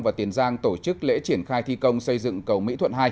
và tiền giang tổ chức lễ triển khai thi công xây dựng cầu mỹ thuận hai